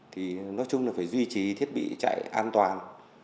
thì nói chung là phải duy trì thiết bị chạy an toàn